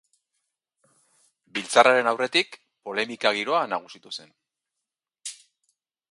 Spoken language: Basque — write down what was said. Biltzarraren aurretik, polemika giroa nagusitu zen.